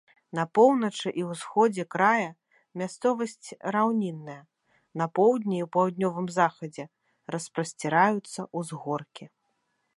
На поўначы і ўсходзе края мясцовасць раўнінная, на поўдні і паўднёвым захадзе распасціраюцца ўзгоркі.